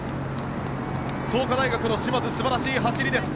創価大学の嶋津素晴らしい走りです。